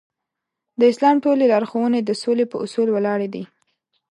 د اسلام ټولې لارښوونې د سولې په اصول ولاړې دي.